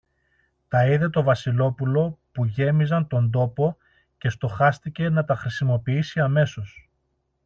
Τα είδε το Βασιλόπουλο που γέμιζαν τον τόπο, και στοχάστηκε να τα χρησιμοποιήσει αμέσως.